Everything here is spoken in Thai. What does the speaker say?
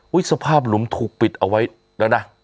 สภาพหลุมถูกปิดเอาไว้แล้วนะ